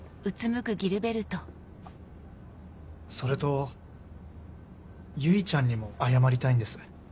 あっそれと唯ちゃんにも謝りたいんです。